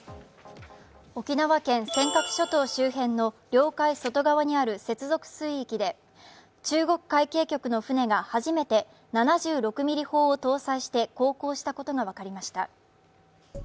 沖縄・尖閣諸島周辺の領海外側にある接続水域で中国海警局の船が初めて７６ミリ砲を搭載して航行したことが分かりました。